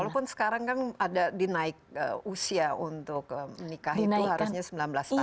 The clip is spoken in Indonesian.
walaupun sekarang kan ada dinaik usia untuk menikah itu harusnya sembilan belas tahun